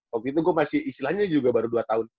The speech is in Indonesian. waktu itu gue masih istilahnya juga baru dua tahun